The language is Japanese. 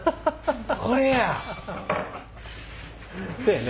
これや！